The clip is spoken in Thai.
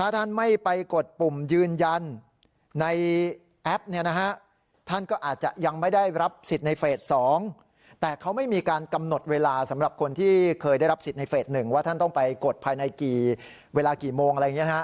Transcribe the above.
ที่เคยได้รับสิทธิ์ในเฟส๑ว่าท่านต้องไปกดภายในเวลากี่โมงอะไรอย่างนี้นะฮะ